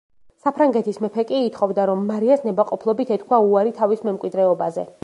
საფრანგეთის მეფე კი ითხოვდა, რომ მარიას ნებაყოფლობით ეთქვა უარი თავის მემკვიდრეობაზე.